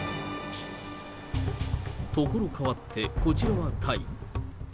ところかわって、こちらはタイ。